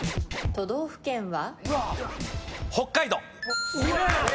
都道府県は？